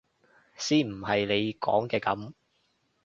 先唔係你講嘅噉！